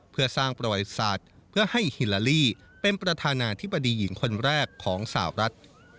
เพื่อสร้างประวัติศาสตร์เพื่อให้ฮิลาลีเป็นประธานาธิบดีหญิงคนแรกของสาวรัฐ